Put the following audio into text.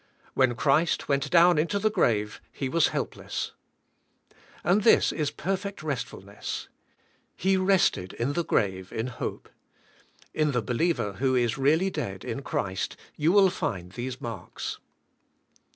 When Christ went down into the grave He was helpless. And this is perfect restf ulness. He rested in the grave in hope. In the believer who is really dead in Christ you will find these marks.